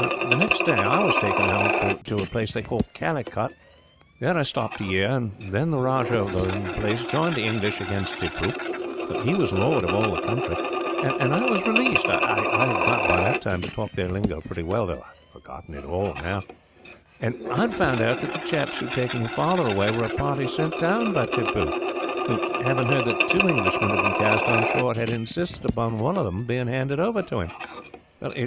"The next day, I was taken off to a place they call Calicut. There I stopped a year, and then the rajah of the place joined the English against Tippoo, who was lord of all the country, and I was released. I had got, by that time, to talk their lingo pretty well, though I have forgotten it all now, and I had found out that the chaps who had taken your father away were a party sent down by Tippoo, who, having heard that two Englishmen had been cast on shore, had insisted upon one of them being handed over to him.